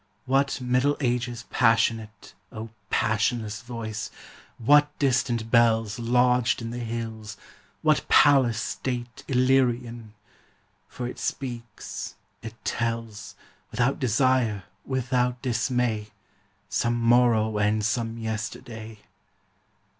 What Middle Ages passionate, O passionless voice! What distant bells Lodged in the hills, what palace state Illyrian! For it speaks, it tells, Without desire, without dismay, Some morrow and some yesterday.